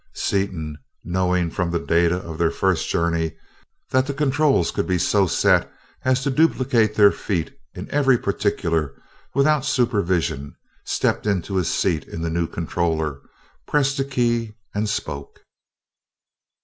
Seaton, knowing from the data of their first journey, that the controls could be so set as to duplicate their feat in every particular without supervision, stepped into his seat in the new controller, pressed a key, and spoke.